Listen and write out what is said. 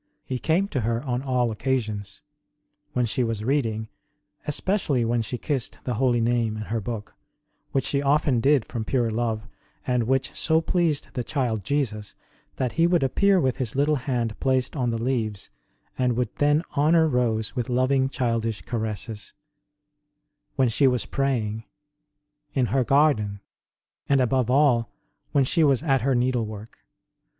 He came to her on all occasions : when she was reading especially when she kissed the Holy Name in her book, which she often did from pure love, and which so pleased the Child Jesus that He would appear with His little hand placed on the leaves, and would then honour Rose with loving childish caresses ; when she was praying ; in her garden ; and, above all, when she was at her needlework.